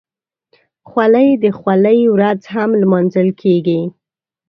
خولۍ د خولۍ ورځ هم لمانځل کېږي.